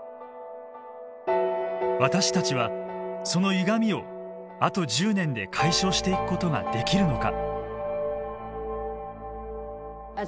私たちはそのゆがみをあと１０年で解消していくことができるのか。